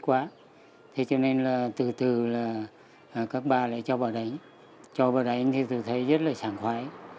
quá thế cho nên là từ từ là các ba lại cho bà đánh cho bà đánh thì từ thấy rất là sẵn khoái